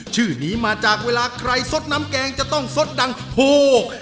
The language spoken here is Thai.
ชื่อนี้มาจากเวลาใครสดน้ำแกงจะต้องสดดังถูก